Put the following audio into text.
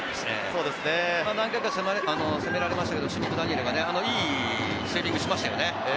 何回か攻められましたけど、シュミット・ダニエルがいいセービングをしましたよね。